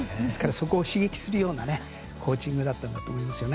そこを刺激するようなコーチングだったんだと思いますね。